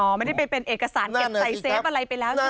ไม่ได้ไปเป็นเอกสารเก็บใส่เซฟอะไรไปแล้วใช่ไหม